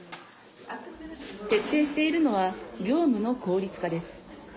徹底しているのは業務の効率化です。